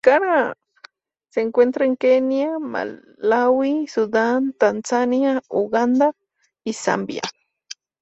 Se encuentra en Kenia, Malaui, Sudán, Tanzania, Uganda y Zambia.